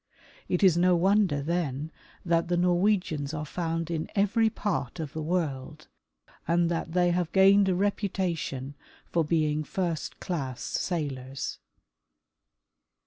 It is no wonder, then, that the Norwegians are found in every part of the world, and that they have gained a reputa tion for being first class sailors.